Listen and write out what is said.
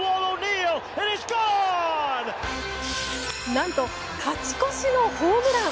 何と勝ち越しのホームラン！